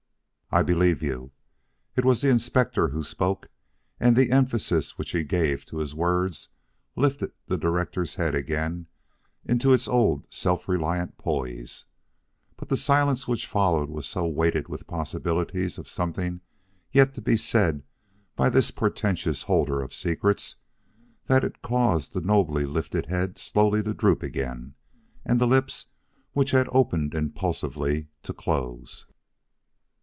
"I believe you." It was the Inspector who spoke, and the emphasis which he gave to his words lifted the director's head again into its old self reliant poise. But the silence which followed was so weighted with possibilities of something yet to be said by this portentous holder of secrets, that it caused the nobly lifted head slowly to droop again and the lips which had opened impulsively to close.